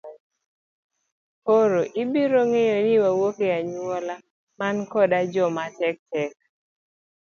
Koro ibiro ng'eyo ni awuok e anyuola man koda joma tek tek.